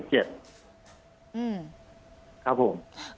ครับผม